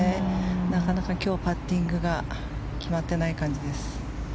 なかなか今日、パッティングが決まってない感じです。